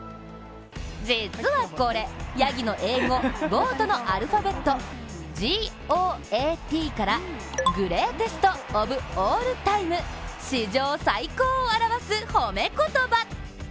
実はこれ、やぎの英語、「ＧＯＡＴ」のアルファベット「Ｇ」「Ｏ」「Ａ」「Ｔ」からグレイテスト・オブ・オール・タイム史上最高を表す褒め言葉！